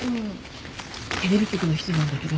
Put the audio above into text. テレビ局の人なんだけど。